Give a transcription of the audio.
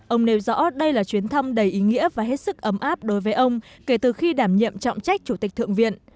ông nêu rõ đây là chuyến thăm đầy ý nghĩa và hết sức ấm áp đối với ông kể từ khi đảm nhiệm trọng trách chủ tịch thượng viện